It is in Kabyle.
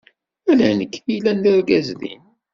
Ala nekk i yellan d argaz din.